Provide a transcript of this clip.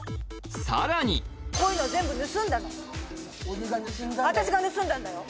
さらにこういうの全部盗んだの俺が盗んだんだ私が盗んだんだよ